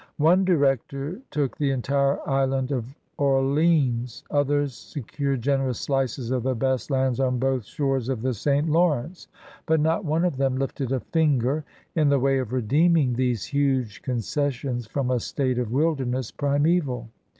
One director took the entire Island of Orleans; others secured generous slices of the best lands on both shores of the St. Lawrence; but not one of them lifted a finger in the way of redeeming these huge concessions from a state of wilderness primeval.